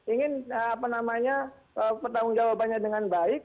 ingin apa namanya pertanggung jawabannya dengan baik